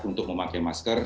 untuk memakai masker